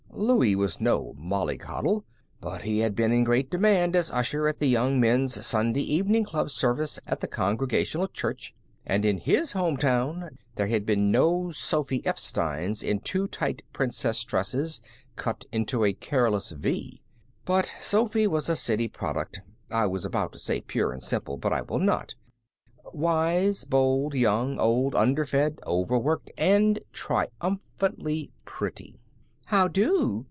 Louie was no mollycoddle. But he had been in great demand as usher at the Young Men's Sunday Evening Club service at the Congregational church, and in his town there had been no Sophy Epsteins in too tight princess dresses, cut into a careless V. But Sophy was a city product I was about to say pure and simple, but I will not wise, bold, young, old, underfed, overworked, and triumphantly pretty. "How do!"